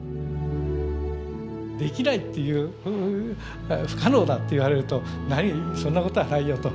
「できない」っていう「不可能だ」っていわれると「なにそんなことはないよ」と。